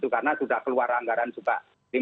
karena sudah keluar anggaran juga lima ratus enam puluh